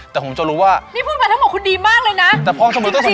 นี่พูดไปทั้งหมดคุณดีมากเลยนะจริง